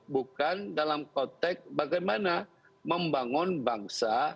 bukan dalam konteks bagaimana membangun bangsa